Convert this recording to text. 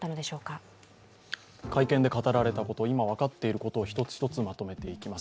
会見で語られたこと、今分かっていること、一つ一つまとめていきます。